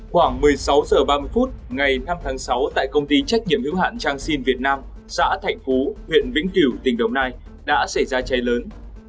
khoảng một mươi sáu h ba mươi phút ngày năm tháng sáu tại công ty trách nhiệm hữu hạn chang sinh việt nam xã thạnh phú huyện vĩnh kiểu tỉnh đồng nai đã xảy ra cháy lớn